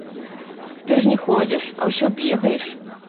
Ты ж не ходзіш, а ўсё бегаеш.